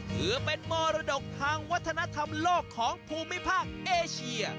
ถือเป็นมรดกทางวัฒนธรรมโลกของภูมิภาคเอเชีย